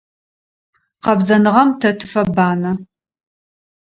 Къэбзэныгъэм тэ тыфэбанэ.